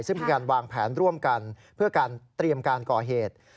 ซึ่งมีการวางแผนร่วมกันเพื่อการเตรียมการก่อเหตุ